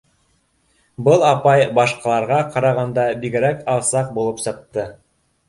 Был апай башҡаларға ҡарағанда бигерәк алсаҡ булып сыҡты.